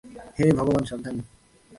হে ভগবান - সাবধানে।